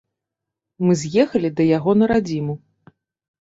Мы з'ехалі да яго на радзіму.